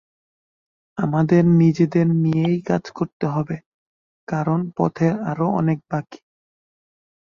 আমাদের নিজেদের নিয়েই কাজ করতে হবে, কারণ পথের আরও অনেক বাকি।